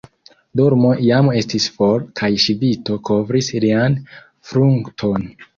Dormo jam estis for, kaj ŝvito kovris lian frunton.